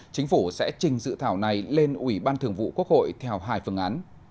chính phủ sẽ trình dự thảo này lên ủy ban thường vụ quốc hội theo hai phương án